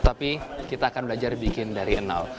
tapi kita akan belajar bikin dari nol